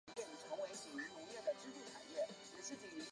全线皆为地下路线。